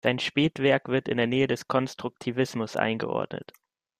Sein Spätwerk wird in der Nähe des Konstruktivismus eingeordnet.